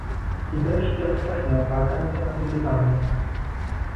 I wreszcie ostatnia uwaga na temat dywanu